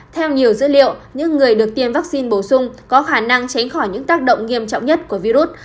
theo nhiều dữ liệu những người được tiêm vaccine bổ sung có khả năng tránh khỏi những tác động nghiêm trọng nhất của virus